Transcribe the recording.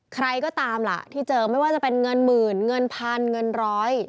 ใครก็ตามล่ะที่เจอไม่ว่าจะเป็นเงินหมื่นเงินพันเงินร้อย